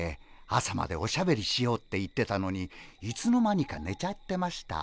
朝までおしゃべりしようって言ってたのにいつの間にかねちゃってました。